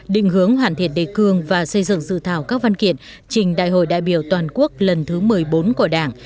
định hướng hoàn thiện đề cương và xây dựng dự thảo các văn kiện trình đại hội đại biểu toàn quốc lần thứ một mươi bốn của đảng